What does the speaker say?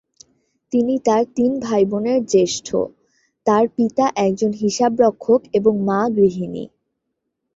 তিনি তার তিন ভাইবোনের জ্যেষ্ঠ; তার পিতা একজন হিসাবরক্ষক এবং মা গৃহিণী।